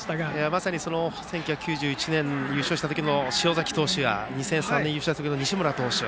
まさに１９９１年に優勝した時の、塩崎投手や２００３年に優勝した時の西村投手